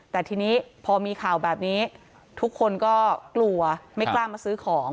แต่ทีนี้พอมีข่าวแบบนี้ทุกคนก็กลัวไม่กล้ามาซื้อของ